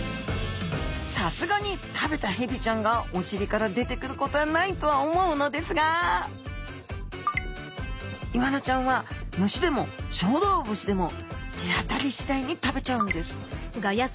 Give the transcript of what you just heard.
さすがに食べたヘビちゃんがおしりから出てくることはないとは思うのですがイワナちゃんは虫でも小動物でも手当たりしだいに食べちゃうんです。